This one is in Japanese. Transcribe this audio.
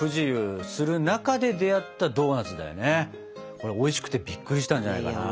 これおいしくてびっくりしたんじゃないかな。